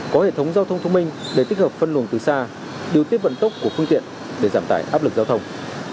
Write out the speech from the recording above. có hệ thống giao thông thông minh để tích hợp phân luồng từ xa điều tiết vận tốc của phương tiện để giảm tải áp lực giao thông